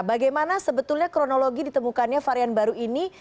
bagaimana sebetulnya kronologi ditemukannya varian baru ini